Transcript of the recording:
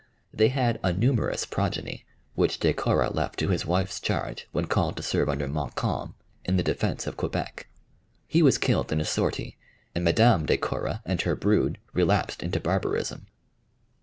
They had a numerous progeny, which De Korra left to his wife's charge when called to serve under Montcalm in the defence of Quebec. He was killed in a sortie, and Madame De Korra and her brood relapsed into barbarism.